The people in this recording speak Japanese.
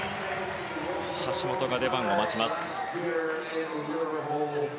橋本が出番を待ちます。